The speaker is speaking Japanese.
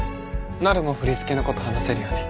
なるも振り付けのこと話せるよね